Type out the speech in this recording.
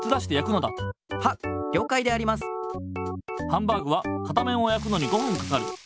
ハンバーグは片面をやくのに５ふんかかる。